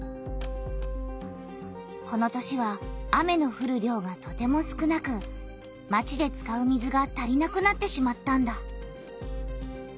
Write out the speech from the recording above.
この年は雨のふる量がとても少なくまちで使う水が足りなくなってしまったんだ。